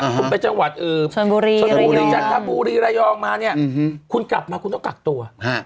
คุณไปจังหวัดชนบุรีจันทบุรีระยองมาเนี่ยคุณกลับมาคุณต้องกักตัว